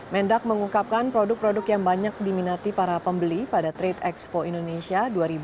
mendak mengungkapkan produk produk yang banyak diminati para pembeli pada trade expo indonesia dua ribu dua puluh